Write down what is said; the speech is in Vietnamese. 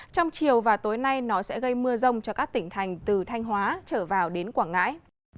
trong chiều và tối nay nó sẽ gây mưa rông cho các tỉnh thành từ thanh hóa trở vào đến quảng ngãi